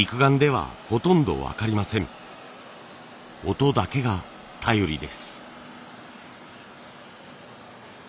音だけが頼りです。